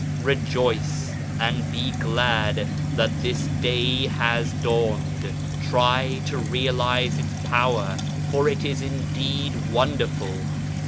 Rejoice and be glad that this day has dawned, try to realize its power, for it is indeed wonderful